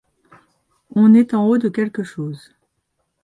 On est en haut de quelque chose.